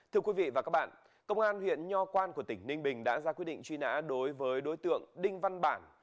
thưa quý vị và các bạn công an huyện nho quan của tỉnh ninh bình đã ra quyết định truy nã đối với đối tượng đinh văn bản